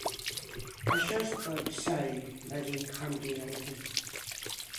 "Això és tot s all" va dir Humpty Dumpty.